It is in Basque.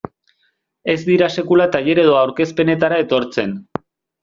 Ez dira sekula tailer edo aurkezpenetara etortzen.